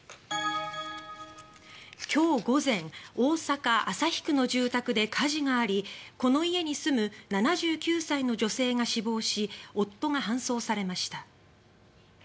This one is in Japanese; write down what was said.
今日午前、大阪市旭区の住宅で火事がありこの家に住む７９歳の女性が死亡し夫が搬送されました。